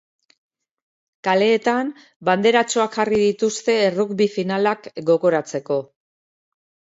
Kaleetan banderatxoak jarri dituzte errugbi finalak gogoratzeko.